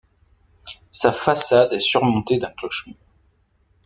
Sa façade est surmontée d'un clocher-mur.